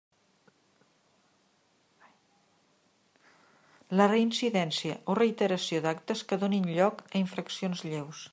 La reincidència o reiteració d'actes que donin lloc a infraccions lleus.